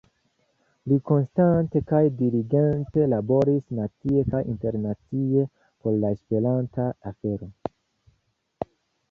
Li konstante kaj diligente laboris nacie kaj internacie por la esperanta afero.